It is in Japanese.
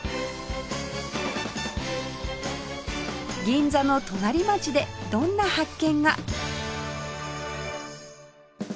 銀座の隣町でどんな発見が？